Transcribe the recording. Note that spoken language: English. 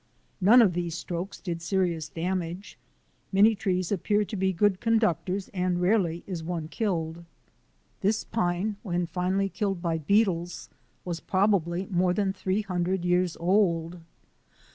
None of these strokes did serious damage. Many trees appear to be good conductors and rarely is one killed. This pine when finally killed by beetles was probably more than three hundred years old.